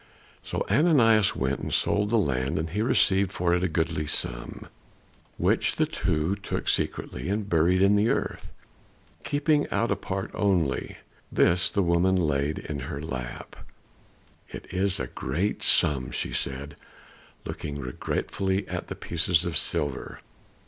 So Ananias went and sold the land and he received for it a goodly sum. Which the two took secretly and buried in the earth, keeping out a part only; this the woman laid in her lap. "It is a great sum," she said, looking regretfully at the pieces of silver.